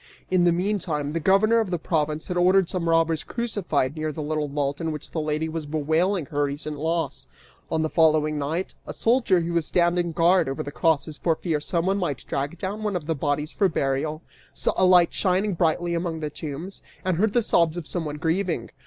In the meantime the governor of the province had ordered some robbers crucified near the little vault in which the lady was bewailing her recent loss. On the following night, a soldier who was standing guard over the crosses for fear someone might drag down one of the bodies for burial, saw a light shining brightly among the tombs, and heard the sobs of someone grieving.